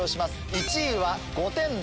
１位は５点で